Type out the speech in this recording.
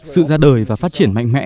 sự ra đời và phát triển mạnh mẽ